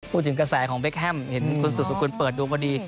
พูดถึงกระแสของเบคแฮมเห็นคุณสุสุคุณเปิดดูมาดี